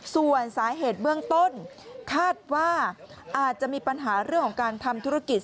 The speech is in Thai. ส่วนสาเหตุเบื้องต้นคาดว่าอาจจะมีปัญหาเรื่องของการทำธุรกิจ